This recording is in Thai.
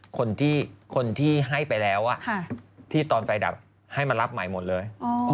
คนที่ให้ไปแล้วที่ตอนไฟดับให้มารับใหม่หมดเลย